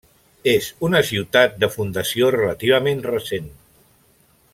És una ciutat de fundació relativament recent.